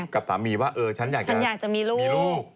กับสามีว่าฉันอยากจะมีลูกฉันอยากจะมีลูก